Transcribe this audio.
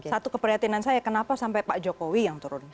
satu keprihatinan saya kenapa sampai pak jokowi yang turun